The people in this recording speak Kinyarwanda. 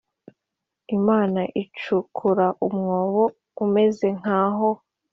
Imana icukura umwobo umeze nkaha